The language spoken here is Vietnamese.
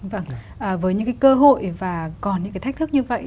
vâng với những cơ hội và còn những thách thức như vậy